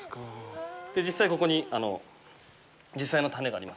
実際ここに、実際の種があります。